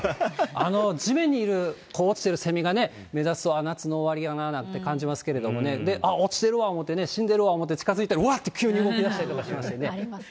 地面にいる、落ちているせみがね、目立つと夏の終わりやなと感じますけど、あっ、落ちてるわ思うてね、死んでるわ思って近づいたらうわって急に動きだしたりしてね。